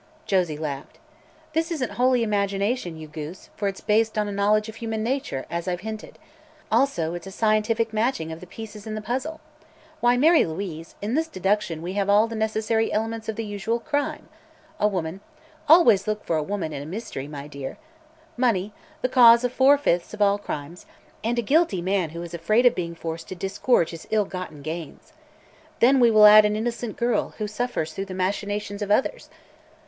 Josie laughed. "This isn't wholly imagination, you goose, for it's based on a knowledge of human nature, as I've hinted. Also it's a scientific matching of the pieces in the puzzle. Why, Mary Louise, in this deduction we have all the necessary elements of the usual crime. A woman always look for a woman in a mystery, my dear money, the cause of four fifths of all crimes, and a guilty man who is afraid of being forced to disgorge his ill gotten gains. Then we will add an innocent girl who suffers through the machinations of others.